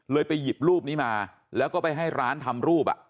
ไปหยิบรูปนี้มาแล้วก็ไปให้ร้านทำรูป